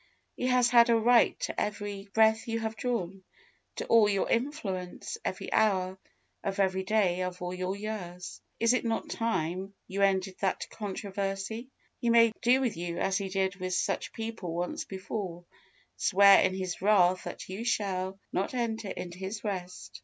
_ He has had a right to every breath you have drawn, to all your influence, every hour, of every day of all your years. Is it not time you ended that controversy? He may do with you as He did with such people once before swear in His wrath that you shall not enter into His rest.